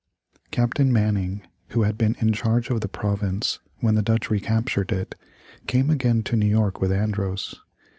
Captain Manning, who had been in charge of the province when the Dutch recaptured it, came again to New York with Andros.